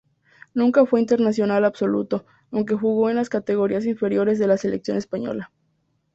Nunca fue internacional absoluto, aunque jugó en las categorías inferiores de la Selección española.